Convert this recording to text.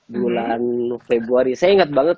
bulan februari saya ingat banget